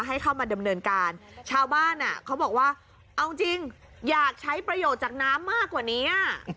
ให้เข้ามาดำเนินการชาวบ้านเขาบอกว่าเอาจริงอยากใช้ประโยชน์จากน้ำมากกว่านี้